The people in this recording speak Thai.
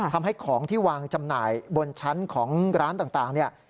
ทำให้ของที่วางจำหน่ายบนชั้นของร้านต่างเนี่ย